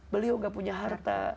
beliau gak punya harta